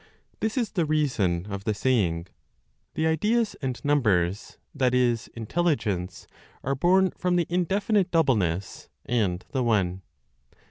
This is the reason of the saying, "The ideas and numbers, that is, intelligence, are born from the indefinite doubleness, and the One."